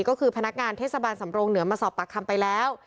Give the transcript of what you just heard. ก็คือพนักงานเทศบาลสำรงเหนือมาสอบปากคำไปแล้ว